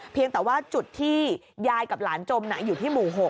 เพียงแต่ว่าจุดที่ยายกับหลานจมอยู่ที่หมู่๖